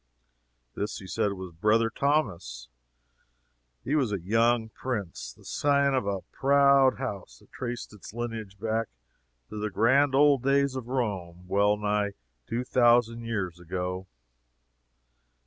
"This," he said, "was Brother Thomas. He was a young prince, the scion of a proud house that traced its lineage back to the grand old days of Rome well nigh two thousand years ago.